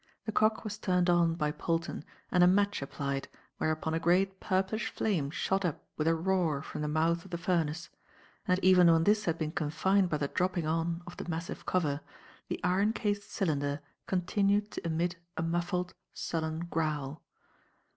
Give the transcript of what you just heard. The cock was turned on by Polton and a match applied, whereupon a great purplish flame shot up with a roar from the mouth of the furnace; and even when this had been confined by the dropping on of the massive cover, the ironcased cylinder continued to emit a muffled, sullen growl.